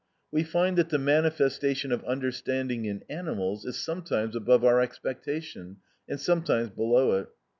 We find that the manifestation of understanding in animals is sometimes above our expectation, and sometimes below it.